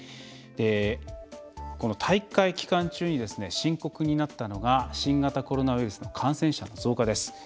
大会期間中に深刻になったのが新型コロナウイルスの感染者の増加です。